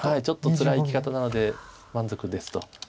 ちょっとつらい生き方なので満足ですと。